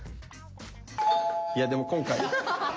いやでも今回。